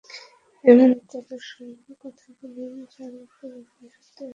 এমন কারোর সঙ্গে কথা বলুন, যার ওপর আপনি সত্যি আস্থা রাখতে পারেন।